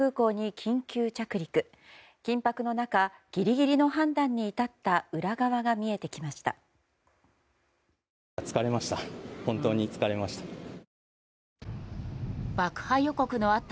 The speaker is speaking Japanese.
緊迫の中、ギリギリの判断に至った裏側が見えてきました。